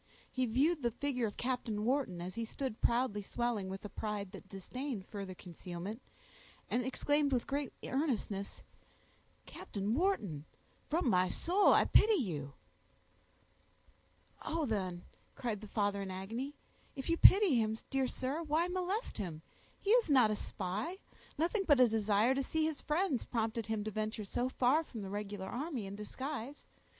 He viewed the figure of Captain Wharton, as he stood proudly swelling with a pride that disdained further concealment, and exclaimed with great earnestness,— "Captain Wharton, from my soul I pity you!" "Oh! then," cried the father in agony, "if you pity him, dear sir, why molest him? He is not a spy; nothing but a desire to see his friends prompted him to venture so far from the regular army in disguise.